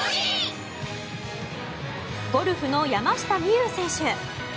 ゴルフの山下美夢有選手。